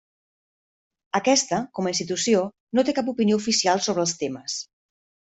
Aquesta, com a institució, no té cap opinió oficial sobre els temes.